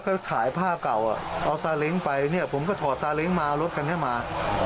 ก็ขายผ้าก่าวเอาซาเล้งไปเนี่ยผมก็ถอดซาเล้งมารถขันให้มา